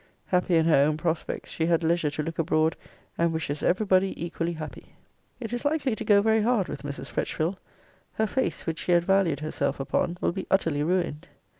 Happy in her own prospects, she had leisure to look abroad, and wishes every body equally happy. It is likely to go very hard with Mrs. Fretchville. Her face, which she had valued herself upon, will be utterly ruined.